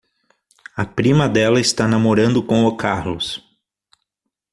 A prima dela está namorando com o Carlos.